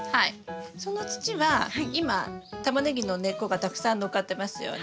その土は今タマネギの根っこがたくさん載っかってますよね。